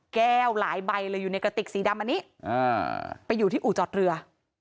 หลายใบเลยอยู่ในกระติกสีดำอันนี้ไปอยู่ที่อู่จอดเรือ